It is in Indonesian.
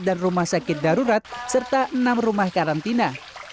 dan rumah sakit darurat serta enam rumah karantina